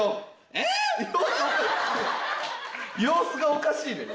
えっ⁉様子がおかしいねん！